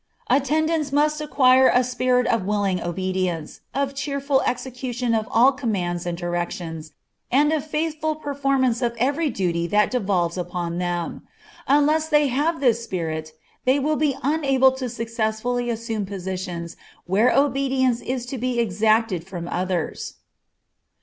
Attendants must acquire a spirit of willing obedience, of cheerful execution of all commands and directions, and of faithful performance of every duty that devolves upon them. Unless they have this spirit, they will be unable to successfully assume positions where obedience is to be exacted from others.